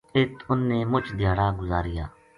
اِت اُنھ نے مُچ دھیاڑا گزاریا